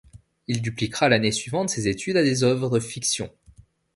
Il dupliquera l'année suivante ces études à des œuvres de fiction.